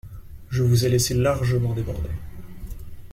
Je vous ai laissé largement déborder.